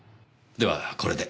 ではこれで。